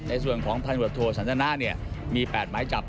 ในส่วนของพันวัตถัวสันตนาเนี่ยมี๘หมายจับ